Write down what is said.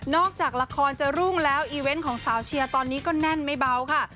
จากละครจะรุ่งแล้วอีเวนต์ของสาวเชียร์ตอนนี้ก็แน่นไม่เบาค่ะ